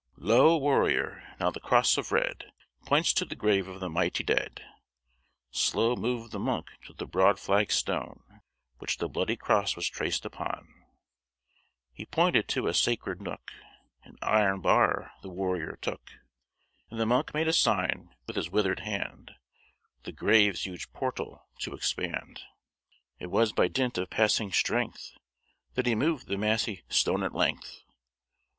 "Lo warrior! now the cross of red, Points to the grave of the mighty dead; Slow moved the monk to the broad flag stone, Which the bloody cross was traced upon: He pointed to a sacred nook: An iron bar the warrior took; And the monk made a sign with his withered hand, The grave's huge portal to expand. "It was by dint of passing strength, That he moved the massy stone at length.